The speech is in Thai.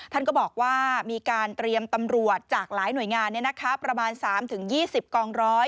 ท่านก็บอกว่ามีการเตรียมตำรวจจากหลายหน่วยงานประมาณ๓๒๐กองร้อย